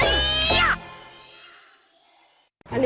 ต้นคนคิดมาท้อง๒